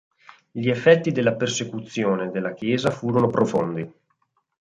Gli effetti della persecuzione della Chiesa furono profondi.